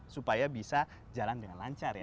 supaya bisa jalan dengan lancar ya